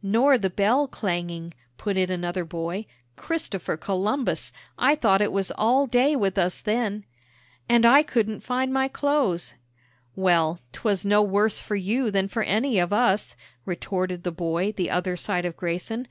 "Nor the bell clanging," put in another boy; "Christopher Columbus, I thought it was all day with us then!" "And I couldn't find my clothes!" "Well, 'twas no worse for you than for any of us," retorted the boy the other side of Grayson.